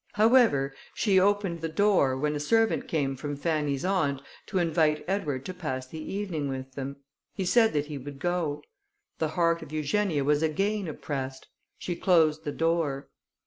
However, she opened the door, when a servant came from Fanny's aunt, to invite Edward to pass the evening with them. He said that he would go. The heart of Eugenia was again oppressed: she closed the door.